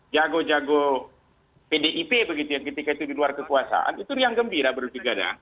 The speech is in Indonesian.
jago jago pdip begitu yang ketika itu di luar kekuasaan itu riang gembira berarti gada